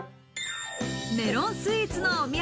メロンスイーツのお土産